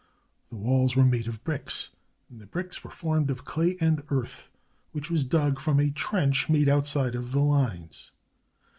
The walls were made of bricks, and the bricks were formed of clay and earth, which was dug from a trench made outside of the lines.